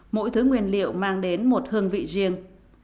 mỗi thứ nguyên liệu mang đến một hương vị riêng